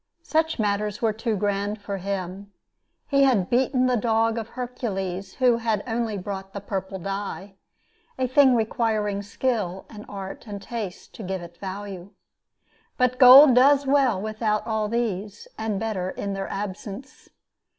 Such matters were too grand for him. He had beaten the dog of Hercules, who had only brought the purple dye a thing requiring skill and art and taste to give it value. But gold does well without all these, and better in their absence.